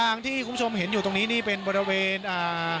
แล้วก็ยังมวลชนบางส่วนนะครับตอนนี้ก็ได้ทยอยกลับบ้านด้วยรถจักรยานยนต์ก็มีนะครับ